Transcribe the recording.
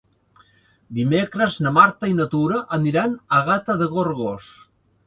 Dimecres na Marta i na Tura aniran a Gata de Gorgos.